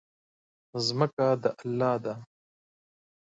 ځمکه د الله ده.